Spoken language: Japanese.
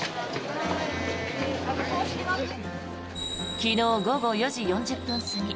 昨日午後４時４０分過ぎ